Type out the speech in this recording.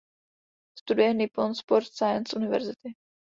Studuje Nippon Sport Science University.